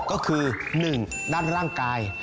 ก็คือ๑ด้านร่างกาย